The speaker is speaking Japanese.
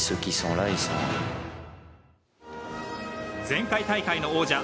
前回大会の王者